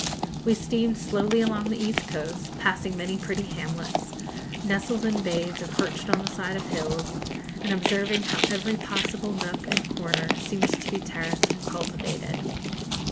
We steamed slowly along the east coast, passing many pretty hamlets, nestled in bays or perched on the side of the hills, and observing how every possible nook and corner seemed to be terraced and cultivated.